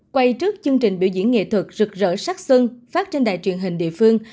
quay trước chương trình biểu diễn nghệ thuật rực rỡ sắc xuân phát trên đài truyền hình địa phương